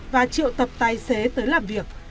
và triệu tập tài xế tới làm việc